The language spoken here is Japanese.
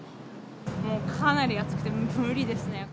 もうかなり暑くて無理ですね。